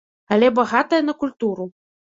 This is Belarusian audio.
Але багатая на культуру.